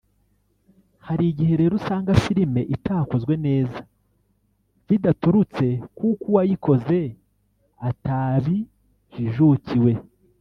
hari igihe rero usanga filime itakozwe neza bidaturutse kuko uwayikoze atabijijukiwe